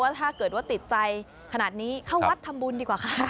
ถ้าเกิดว่าติดใจขนาดนี้เข้าวัดทำบุญดีกว่าค่ะ